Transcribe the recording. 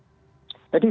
jadi sudah saya perhatikan